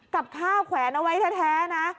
กับข้าวแขวนเอาไว้แท้นะ